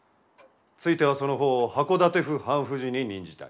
ついてはそのほうを箱館府判府事に任じたい。